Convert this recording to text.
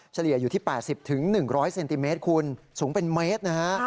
เฉลี่ยอยู่ที่๘๐๑๐๐เซนติเมตรคุณสูงเป็นเมตรนะฮะ